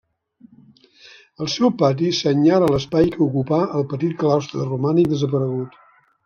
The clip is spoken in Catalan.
El seu pati senyala l'espai que ocupà el petit claustre romànic desaparegut.